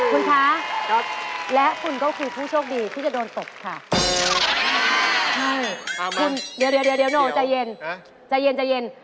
คุณคะและคุณก็คือผู้โชคดีที่จะโดนตบค่ะใช่ใจเย็น